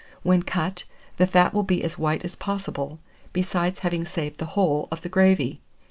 When cut, the fat will be as white as possible, besides having saved the whole, of the gravy.